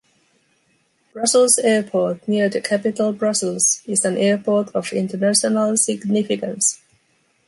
Brussels Airport, near the capital Brussels, is an airport of international significance.